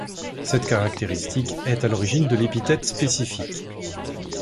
Cette caractéristique est à l'origine de l'épithète spécifique.